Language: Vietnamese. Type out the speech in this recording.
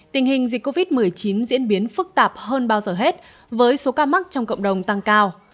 tình hình dịch covid một mươi chín diễn biến phức tạp hơn bao giờ hết với số ca mắc trong cộng đồng tăng cao